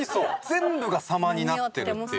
全部が様になってるっていう。